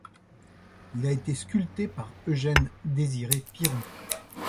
Il a été sculpté par Eugène Désiré Piron.